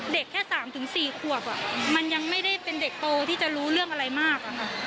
แค่๓๔ขวบมันยังไม่ได้เป็นเด็กโตที่จะรู้เรื่องอะไรมาก